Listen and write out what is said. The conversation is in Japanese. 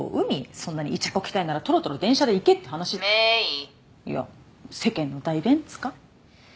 そんなにイチャこきたいならとろとろ電車で行けって話「芽衣」いや世間の代弁っつうか？